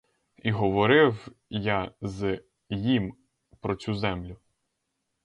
І говорив я з їм про цю землю.